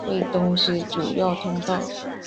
为东西主要通道。